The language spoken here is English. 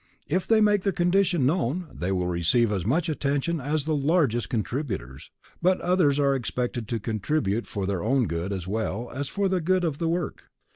If they make their condition known, they will receive as much attention as the largest contributors, but others are expected to contribute for their own good as well as for the good of the work.